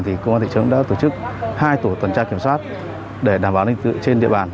thì công an thị trấn đã tổ chức hai tổ tuần tra kiểm soát để đảm bảo an ninh tự trên địa bàn